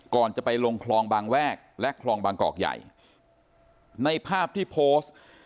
ก่อนจะไปลงคลองบางแวกและคลองบางกอกใหญ่ในภาพที่โพสต์